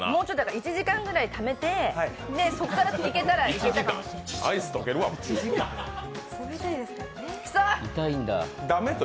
１時間ぐらいためて、そこから続けたらいけるかもしれない。